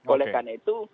oleh karena itu